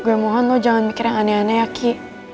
gue mohon lo jangan mikir yang aneh aneh ya ki